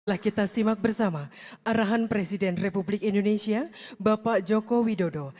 lah kita simak bersama arahan presiden republik indonesia bapak joko widodo